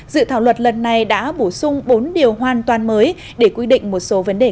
dự thảo luật lần này đã bổ sung bốn điều hoàn toàn mới để quy định một số vấn đề